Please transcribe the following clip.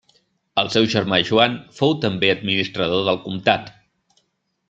El seu germà Joan fou també administrador del comtat.